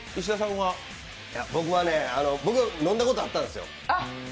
僕、飲んだことあったんですよ。